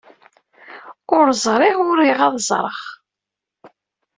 Ur ẓriɣ, ur riɣ ad ẓreɣ.